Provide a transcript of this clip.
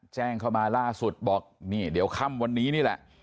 แจ้งเข้ามาล่าสุดบอกนี่เดี๋ยวค่ำวันนี้นี่แหละ